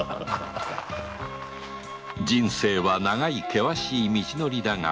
人生は長い険しい道のりだが佐吉よ走れ！